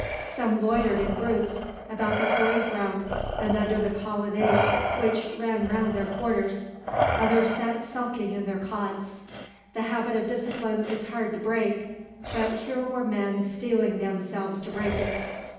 Some loitered in groups about the parade ground and under the colonnade which ran round their quarters; others sat sulking on their cots. The habit of discipline is hard to break, but here were men steeling themselves to break it.